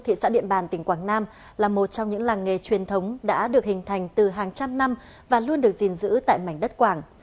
thị xã điện bàn tỉnh quảng nam là một trong những làng nghề truyền thống đã được hình thành từ hàng trăm năm và luôn được gìn giữ tại mảnh đất quảng